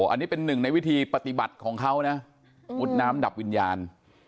อันนี้เป็นหนึ่งในวิธีปฏิบัติของเขานะมุดน้ำดับวิญญาณ